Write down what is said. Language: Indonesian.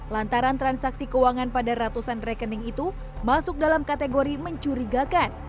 lantaran transaksi keuangan pada ratusan rekening itu masuk dalam kategori mencurigakan